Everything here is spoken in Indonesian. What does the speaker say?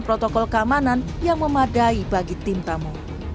protokol keamanan yang memadai bagi tim tamu